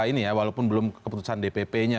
ini ya walaupun belum keputusan dpp nya